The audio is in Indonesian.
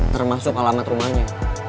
termasuk alamat rumahnya